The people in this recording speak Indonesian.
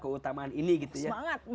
keutamaan ini gitu ya